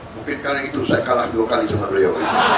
mungkin karena itu saya kalah dua kali sama beliau